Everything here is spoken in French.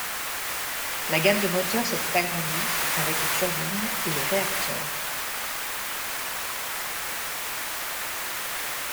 La gamme de moteurs s'était agrandie avec les turbines et les réacteurs.